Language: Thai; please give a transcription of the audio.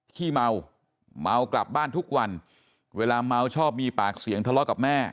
ขี้เมาเมากลับบ้านทุกวันเวลาเมาชอบมีปากเสียงทะเลาะกับแม่